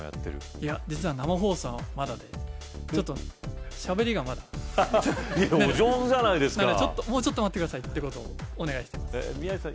いや実は生放送はまだでちょっとしゃべりがまだハハッお上手じゃないですかもうちょっと待ってくださいってことをお願いしてます宮内さん